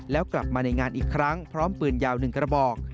แล้วกลับมาในงานอีกครั้งพร้อมปืนยาว๑กระบอก